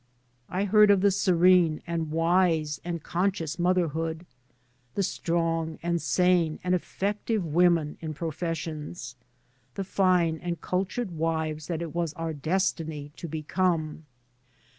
I heard of the serene and wise and conscious motherhood, the strong and sane and effective women in pro fessions, the iine and cultured wives that it was our destiny to become.